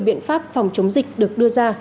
biện pháp phòng chống dịch được đưa ra